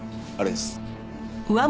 あれです。